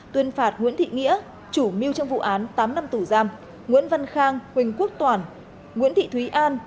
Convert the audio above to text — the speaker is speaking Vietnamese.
tuyên phạt nguyễn thị nghĩa chủ mưu trong vụ án tám năm tù giam nguyễn văn khang huỳnh quốc toàn nguyễn thị thúy an